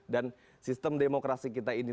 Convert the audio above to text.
dan sistem demokrasi kita ini